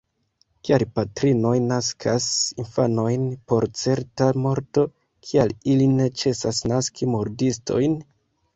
Kial patrinoj naskas infanojn por certa morto? Kial ili ne ĉesas naski murdistojn?